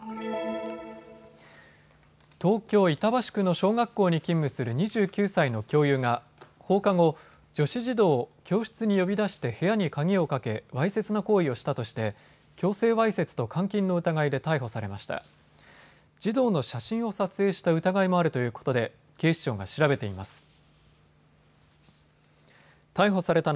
東京板橋区の小学校に勤務する２９歳の教諭が放課後、女子児童を教室に呼び出して部屋に鍵をかけわいせつな行為をしたとして強制わいせつと監禁の疑いで逮捕されました。